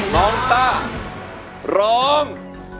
น้องต้าร้อง